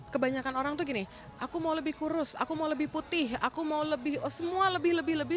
kebanyakan orang tuh gini aku mau lebih kurus aku mau lebih putih aku mau lebih semua lebih lebih